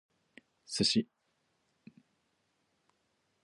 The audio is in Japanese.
Sushi